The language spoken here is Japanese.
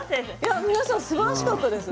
皆さんすばらしいです。